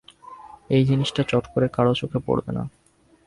এই জিনিসটি চট করে কারোর চোখে পড়বে না।